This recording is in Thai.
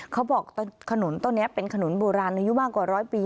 เขาบอกขนุนต้นนี้เป็นขนุนโบราณอายุมากกว่าร้อยปี